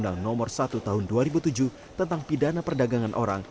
undang undang nomor satu tahun dua ribu tujuh tentang pidana perdagangan orang